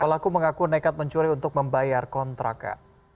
pelaku mengaku nekat mencuri untuk membayar kontrakan